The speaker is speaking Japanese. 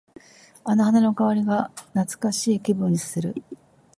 あの花の香りが懐かしい気分にさせる。